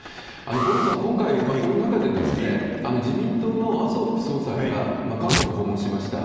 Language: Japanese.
五郎さん、今回、そういう中で、自民党の麻生副総裁が韓国訪問しました。